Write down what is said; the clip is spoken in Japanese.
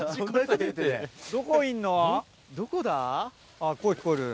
あっ声聞こえる。